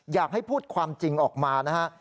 อยากให้พูดความจริงออกมานะฮะ